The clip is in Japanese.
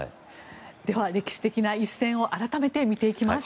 では歴史的な一戦を改めて見ていきます。